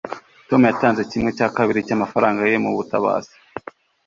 tom yatanze kimwe cya kabiri cyamafaranga ye mubutabazi